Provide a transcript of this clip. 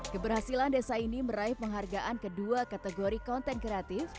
keberhasilan desa ini meraih penghargaan kedua kategori konten kreatif